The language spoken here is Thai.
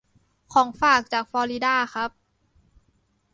ของฝากจากฟลอริดาครับ